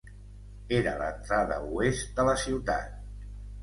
Era l'entrada oest de la ciutat.